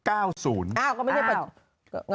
อ้าวก็ไม่ได้เป็น